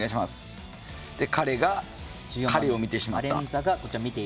彼が彼を見てしまった。